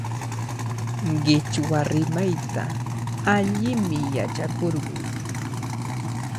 Qichwa rimayta allimi yachakurqun.